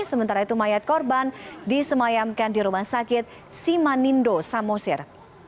sementara itu mayat korban disemayamkan di rumah sakit simanindo samosir